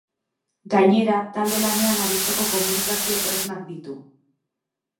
Gainera, talde lanean aritzeko komunikazio tresnak ditu.